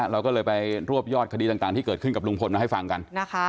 เราก็เลยไปรวบยอดคดีต่างที่เกิดขึ้นกับลุงพลมาให้ฟังกัน